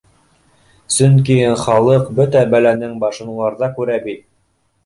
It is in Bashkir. Сөнки ха лыҡ бөтә бәләнең башын уларҙа күрә бит